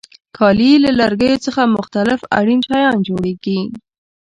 کالي له لرګیو څخه مختلف اړین شیان جوړیږي.